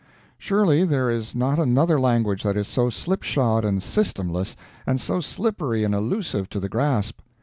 Surely there is not another language that is so slipshod and systemless, and so slippery and elusive to the grasp.